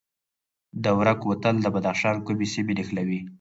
دوره کوتل د بدخشان کومې سیمې نښلوي؟